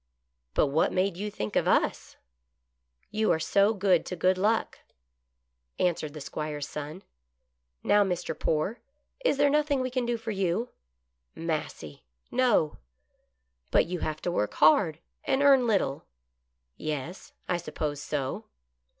" But what made you think of us }"" You are so good to Good Luck," answered the 66 GOOD LUCK. 'Squire's son. " Now, Mr. Poore, is there nothing we can do for you ?"" Massy — no." " But you have to work hard, and earn little." "Yes — I suppose so."